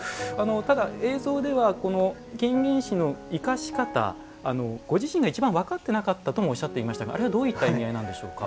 ただ、映像では金銀糸の生かし方、ご自身が一番分かってなかったともおっしゃっていましたがあれはどういった意味合いなんでしょうか？